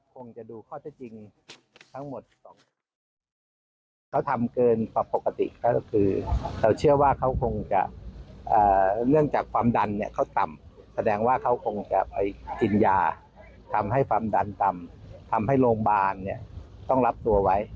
คงจะไปกินยาทำให้ความดันต่ำทำให้โรงพยาบาลเนี่ยต้องรับตัวไว้